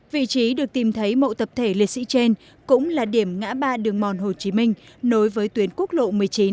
vị trí được tìm thấy mộ tập thể liệt sĩ trên cũng là điểm ngã ba đường mòn hồ chí minh nối với tuyến quốc lộ một mươi chín